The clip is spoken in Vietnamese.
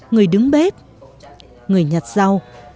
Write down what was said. người đứng bếp người nhặt rau